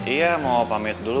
iya mau pamit dulu